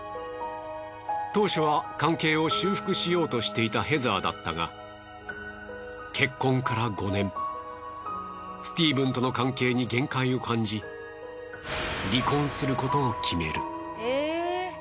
当初は関係を修復しようとしていたヘザーだったが結婚から５年スティーブンとの関係に限界を感じ離婚することを決める。